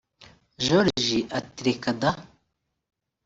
Joriji ati Reka daaa